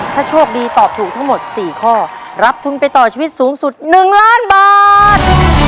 ถ้าโชคดีตอบถูกทั้งหมด๔ข้อรับทุนไปต่อชีวิตสูงสุด๑ล้านบาท